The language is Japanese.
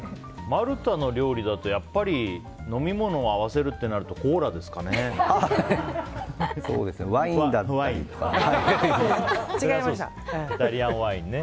マルタの料理だとやっぱり飲み物を合わせるってなるとワインとかね。